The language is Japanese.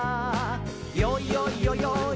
「よいよいよよい